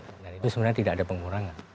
dengan itu sebenarnya tidak ada pengurangan